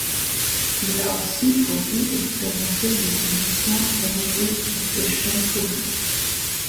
Il a aussi produit et présenté des émissions religieuses sur des chaînes publiques.